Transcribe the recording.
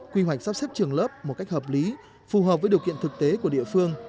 quy hoạch sắp xếp trường lớp một cách hợp lý phù hợp với điều kiện thực tế của địa phương